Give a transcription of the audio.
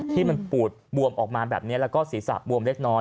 ที่มันปูดบวมออกมาแบบนี้แล้วก็ศีรษะบวมเล็กน้อย